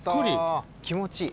気持ちいい。